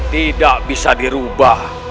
tidak bisa dirubah